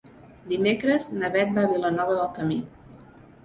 Dimecres na Bet va a Vilanova del Camí.